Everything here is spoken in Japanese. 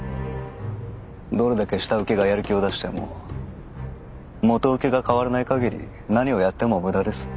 どれだけ下請けがやる気を出しても元請けが変わらない限り何をやっても無駄です。